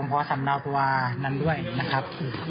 ผมพอสำเนาตัวนั้นด้วยนะครับ